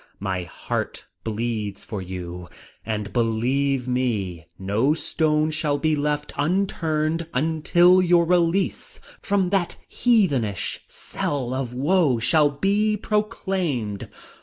My heart bleeds for you, and believe me, no stone shall be left unturned until your release from that heathenish cell of woe shall be proclaimed.